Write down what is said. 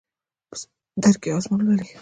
په سمندر کې اسمان لولي